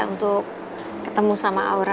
untuk ketemu sama aura